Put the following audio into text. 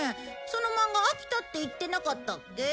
その漫画飽きたって言ってなかったっけ？